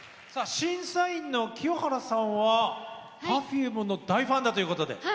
審査員の清原さんはＰｅｒｆｕｍｅの大ファンだということで。